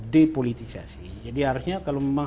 depolitisasi jadi harusnya kalau memang